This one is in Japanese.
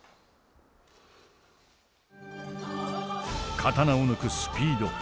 刀を抜くスピード。